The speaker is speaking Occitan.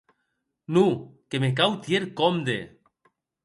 Non; que me cau tier compde.